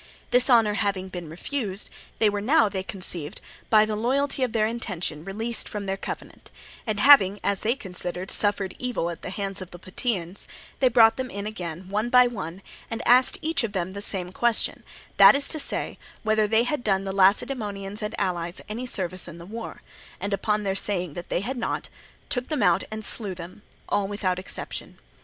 This offer having been refused, they were now, they conceived, by the loyalty of their intention released from their covenant; and having, as they considered, suffered evil at the hands of the Plataeans, they brought them in again one by one and asked each of them the same question, that is to say, whether they had done the Lacedaemonians and allies any service in the war; and upon their saying that they had not, took them out and slew them, all without exception.